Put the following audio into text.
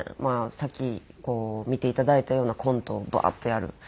さっき見ていただいたようなコントをバーッとやる。